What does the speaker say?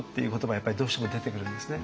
やっぱりどうしても出てくるんですね。